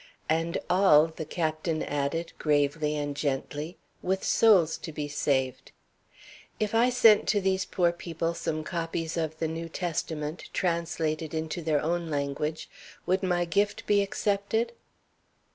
"And all," the Captain added, gravely and gently, "with souls to be saved. If I sent to these poor people some copies of the New Testament, translated into their own language, would my gift be accepted?"